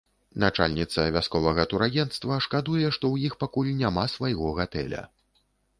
Начальніца вясковага турагенцтва шкадуе, што ў іх пакуль няма свайго гатэля.